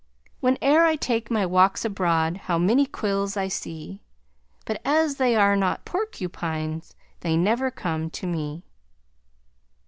Whene'er I take my walks abroad How many quills I see. But as they are not porkupines They never come to me.